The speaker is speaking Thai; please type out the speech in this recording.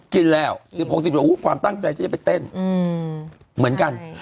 กินแล้ว๑๖๑๗ความตั้งใจจะได้ไปเต้น